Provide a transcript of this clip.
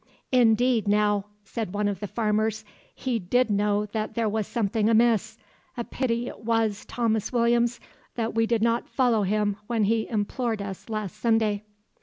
"Indeed now," said one of the farmers; "he did know that there was something amiss. A pity it was, Thomas Williams, that we did not follow him when he implored us last Sunday."